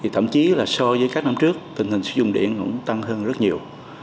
thậm chí là so với các năm trước tình hình sử dụng điện cũng tăng hơn rất nhiều